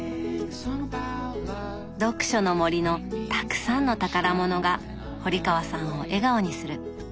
読書の森のたくさんの宝物が堀川さんを笑顔にする。